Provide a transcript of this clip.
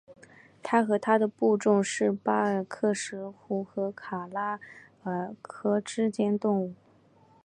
他和他的部众是巴尔喀什湖和卡拉塔尔河之间活动。